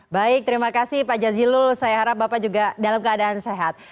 baik terima kasih pak jazilul saya harap bapak juga dalam keadaan sehat